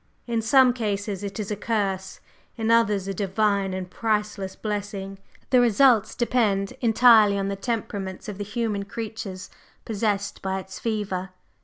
In some cases it is a curse; in others, a divine and priceless blessing. The results depend entirely on the temperaments of the human creatures possessed by its fever.